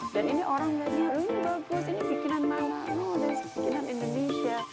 dan ini orang bilang ini bagus ini bikinan mama ini bikinan indonesia